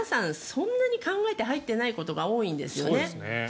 そんなに考えて入ってないことが多いんですよね。